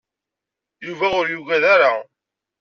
Yuba ur yuggad ara.